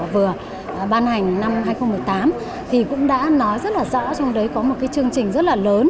vừa ban hành năm hai nghìn một mươi tám thì cũng đã nói rất là rõ trong đấy có một cái chương trình rất là lớn